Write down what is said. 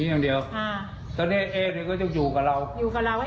มีรถนี่ก็ยืนเพื่อนมาใช้